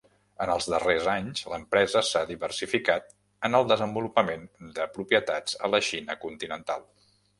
En els darrers anys, l'empresa s'ha diversificat en el desenvolupament de propietats a la Xina continental.